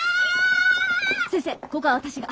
先生ここは私が。